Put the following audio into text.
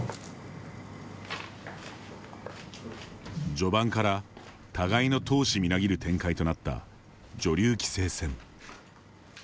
序盤から、互いの闘志みなぎる展開となった女流棋聖戦。